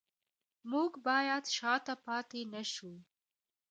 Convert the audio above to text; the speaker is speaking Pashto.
موږ باید شاته پاتې نشو